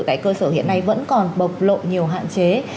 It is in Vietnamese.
tại cơ sở hiện nay vẫn còn bộc lộ nhiều hạn chế